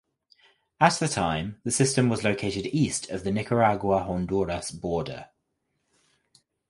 At the time the system was located east of the Nicaragua–Honduras border.